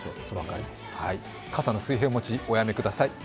傘の水平持ち、おやめください。